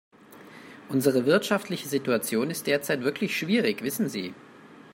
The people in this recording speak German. Unsere wirtschaftliche Situation ist derzeit wirklich schwierig, wissen Sie.